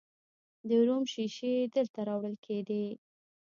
د روم شیشې دلته راوړل کیدې